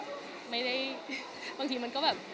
หมายถึงก็มีบางทีที่